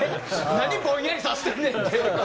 何ぼんやりさせてんねんって。